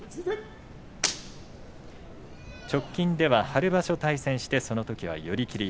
直近では春場所対戦してそのときは寄り切り。